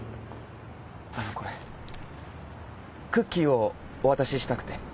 あのこれクッキーをお渡ししたくて。